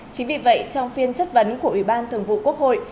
chính vì vậy trong phiên chất vấn của ủy ban thường vụ quốc hội